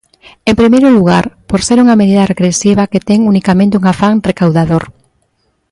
En primeiro lugar, por ser unha medida regresiva que ten unicamente un afán recaudador.